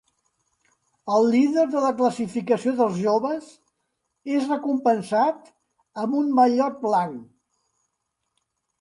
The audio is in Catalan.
El líder de la classificació dels joves és recompensat amb un mallot blanc.